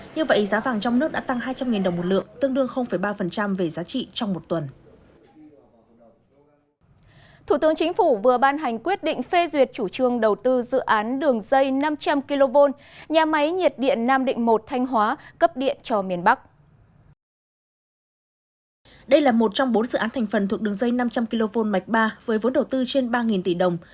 bốn dự án thành phần thuộc đường dây năm trăm linh kv mạch ba với vốn đầu tư trên ba tỷ đồng